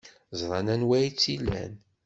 Ẓran anwa ay tt-ilan.